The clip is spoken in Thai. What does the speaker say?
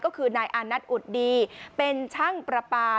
ก็คือนายอานัทอุดดีเป็นช่างประปา